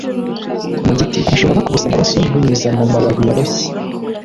mu giti! abashumba bakubise amaraso binyuze mumababi yaboshye!